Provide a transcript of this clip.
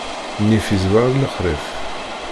Nnif izwar lexṛif.